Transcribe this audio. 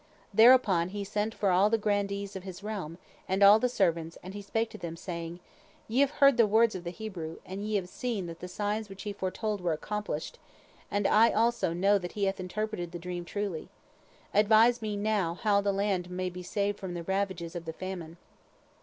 Thereupon he sent for all the grandees of his realm, and all his servants, and he spake to them, saying: "Ye have heard the words of the Hebrew, and ye have seen that the signs which he foretold were accomplished, and I also know that he hath interpreted the dream truly. Advise me now how the land may be saved from the ravages of the famine.